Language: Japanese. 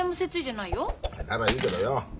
ならいいけどよ